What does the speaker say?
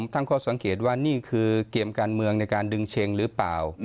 ตั้งข้อสังเกตว่านี่คือเกมการเมืองในการดึงเช็งหรือเปล่า